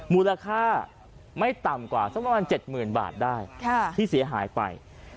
มูลค่าไม่ต่ำกว่าสักประมาณ๗๐๐๐บาทได้ที่เสียหายไป